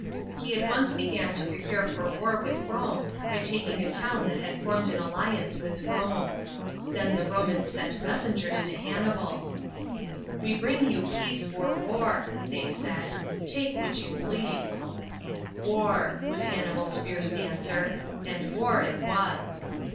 He at once began to prepare for war with Rome by taking a town that had formed an alliance with Home. Then the Romans sent messengers to Hannibal. " We bring you peace or war/' they said. " Take which you please." " War/' was Hannibal's fierce answer And war it was.